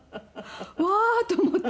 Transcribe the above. わあーと思って。